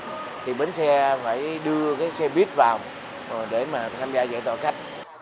thì bến xe phải đưa cái xe buýt vào để mà tham gia giải tỏa khách